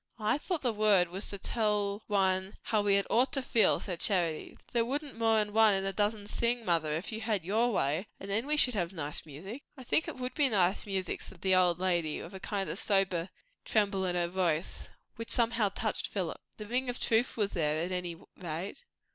"I thought the words was to tell one how we had ought to feel!" said Charity. "There wouldn't more'n one in a dozen sing, mother, if you had your way; and then we should have nice music!" "I think it would be nice music," said the old lady, with a kind of sober tremble in her voice, which somehow touched Philip. The ring of truth was there, at any rate.